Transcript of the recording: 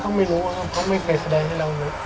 ไม่พ่อไม่รู้พ่อไม่เคยแสดงให้เรา